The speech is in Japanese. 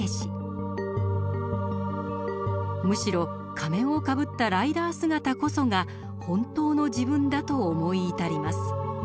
むしろ仮面をかぶったライダー姿こそが「ほんとうの自分」だと思い至ります。